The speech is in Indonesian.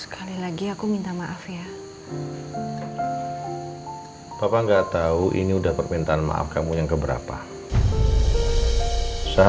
kalian air warrior ah